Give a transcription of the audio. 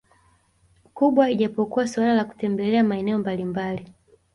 kubwa ijapokuwa suala la kutembelea maeneo mbalimbali